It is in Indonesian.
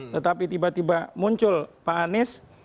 tetapi tiba tiba muncul pak anies